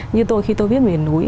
như tôi khi tôi viết miền núi